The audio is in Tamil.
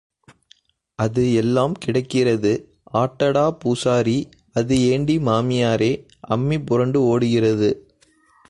அது எல்லாம் கிடக்கிறது ஆட்டடா பூசாரி, அது ஏண்டி மாமியாரே, அம்மி புரண்டு ஓடுகிறது?